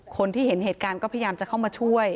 คนที่เห็นเหตุการณ์ก็พยายามจะเข้ามาช่วย